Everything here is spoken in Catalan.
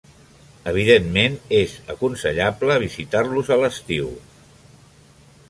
Evidentment, és aconsellable visitar-los a l'estiu.